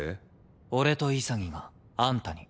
俺と潔があんたに。